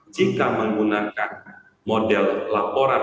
jika menggunakan model laporan